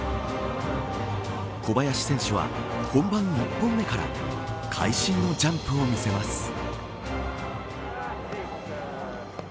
小林選手は、本番１本目から会心のジャンプを見せます。